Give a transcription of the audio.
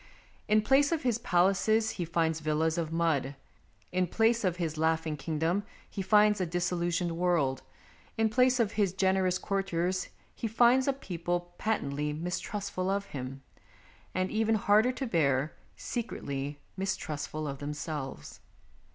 In place of his palaces he finds villas of mud ; in place of his laughing kingdom he finds a disillusioned world ; in place of his generous courtiers he finds a people patently mistrustful of him, and, even harder to bear, secretly mistrustful of themselves.